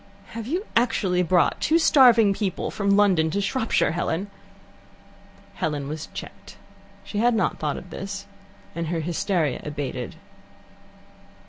"Have you actually brought two starving people from London to Shropshire, Helen?" Helen was checked. She had not thought of this, and her hysteria abated.